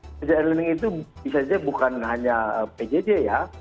pekerjaan learning itu bisa saja bukan hanya pjj ya